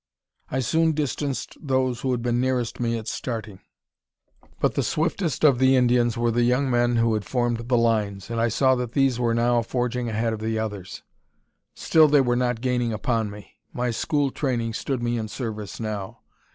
I soon distanced those who had been nearest me at starting; but the swiftest of the Indians were the young men who had formed the lines, and I saw that these were now forging ahead of the others. Still they were not gaining upon me. My school training stood me in service now.